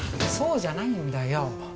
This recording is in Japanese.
そうじゃないんだよ